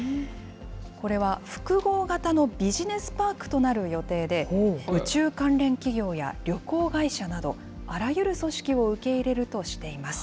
これは複合型のビジネスパークとなる予定で、宇宙関連企業や旅行会社など、あらゆる組織を受け入れるとしています。